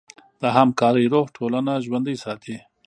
د همکارۍ روح ټولنه ژوندۍ ساتي.